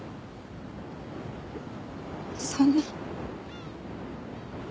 そんな。